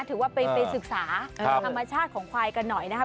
ถือว่าไปศึกษาธรรมชาติของควายกันหน่อยนะครับ